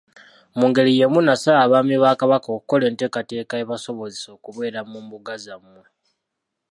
Mu ngeri yeemu nsaba Abaami ba Kabaka okukola enteekateeka ebasobozesa okubeera mu mbuga zammwe.